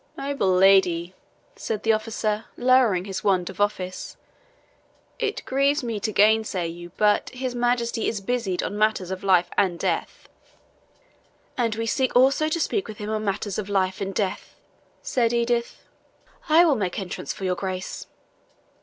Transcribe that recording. "Noble lady," said the officer, lowering his wand of office, "it grieves me to gainsay you, but his Majesty is busied on matters of life and death." "And we seek also to speak with him on matters of life and death," said Edith. "I will make entrance for your Grace."